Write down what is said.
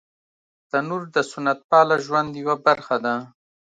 تنور د سنت پاله ژوند یوه برخه ده